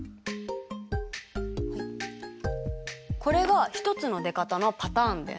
これが一つの出方のパターンです。